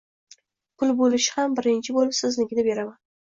Pul boʻlishi bilan birinchi boʻlib siznikini beraman